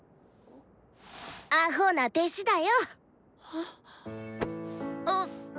アホな弟子だよ。え？あ！